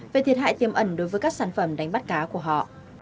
về thiệt hại tiêm ẩn đối với các sản phẩm đánh bắt cá của họ